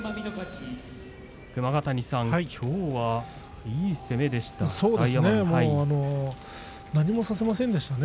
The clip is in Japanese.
熊ヶ谷さん、きょうはいい攻めでしたね。